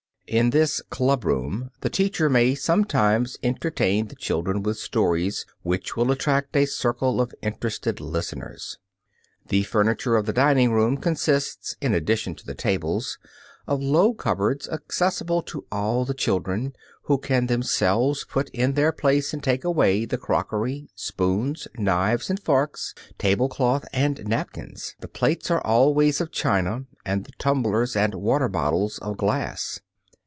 In this "club room" the teacher may sometimes entertain the children with stories, which will attract a circle of interested listeners. The furniture of the dining room consists, in addition to the tables, of low cupboards accessible to all the children, who can themselves put in their place and take away the crockery, spoons, knives and forks, table cloth and napkins. The plates are always of china, and the tumblers and water bottles of glass.